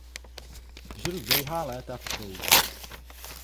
Žil dlouhá léta v Čou.